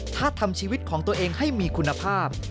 ถ้าทำชีวิตของตัวเองให้มีคุณภาพ